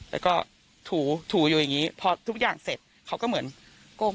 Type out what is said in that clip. แล้วก็ถูถูอยู่อย่างนี้พอทุกอย่างเสร็จเขาก็เหมือนก้ม